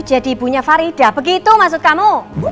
jadi ibunya farida begitu maksud kamu